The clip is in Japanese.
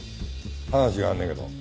話があんねんけど。